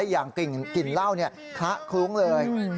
อย่างกลิ่นเหล้าคละคลุ้งเลย